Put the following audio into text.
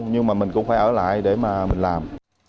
nhưng mà mình cũng phải ở lại để mà mình làm